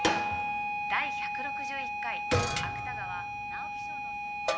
第１６１回芥川直木賞の。